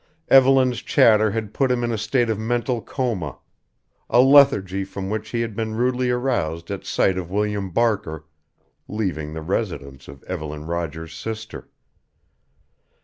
Evelyn's chatter had put him in a state of mental coma a lethargy from which he had been rudely aroused at sight of William Barker leaving the residence of Evelyn Rogers' sister.